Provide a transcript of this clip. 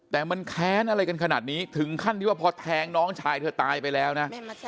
แต่มันแค้นอะไรกันขนาดนี้ถึงขั้นที่ว่าพอแทงน้องชายเธอตายไปแล้วนะ